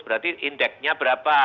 berarti indeksnya berapa